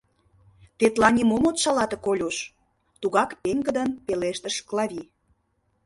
— Тетла нимом от шалате, Колюш! — тугак пеҥгыдын пелештыш Клави.